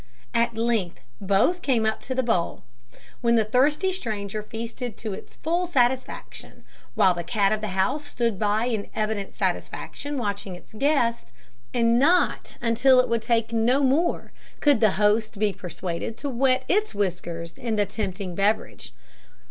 At length both came up to the bowl, when the thirsty stranger feasted to its full satisfaction, while the cat of the house stood by in evident satisfaction watching its guest; and not until it would take no more could the host be persuaded to wet its whiskers in the tempting beverage.